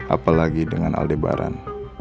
apalagi dengan aldebaran